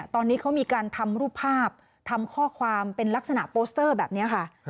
ตอนนี้เขามีการทำรูปภาพทำข้อความเป็นลักษณะโปสเตอร์แบบนี้ค่ะ